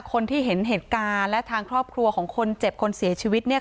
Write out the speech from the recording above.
คนที่เห็นเหตุการณ์และทางครอบครัวของคนเจ็บคนเสียชีวิตเนี่ย